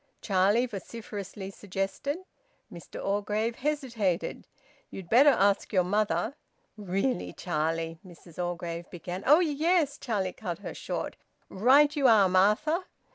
Charlie vociferously suggested. Mr Orgreave hesitated: "You'd better ask your mother." "Really, Charlie " Mrs Orgreave began. "Oh yes!" Charlie cut her short. "Right you are, Martha!"